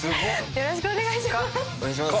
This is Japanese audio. よろしくお願いします。